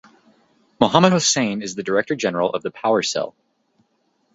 Mohammad Hossain is the Director General of the Power Cell.